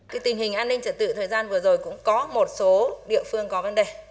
cái tình hình an ninh trật tự thời gian vừa rồi cũng có một số địa phương có vấn đề